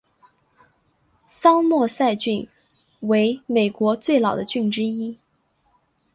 桑莫塞郡为美国最老的郡之一。